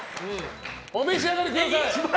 お召し上がりください。